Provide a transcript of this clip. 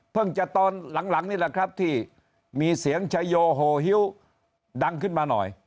จะตอนหลังนี่แหละครับที่มีเสียงชโยโหฮิ้วดังขึ้นมาหน่อย